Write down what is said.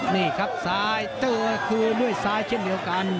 นี่ครับซ้ายเจอคืนด้วยซ้ายเช่นเดียวกัน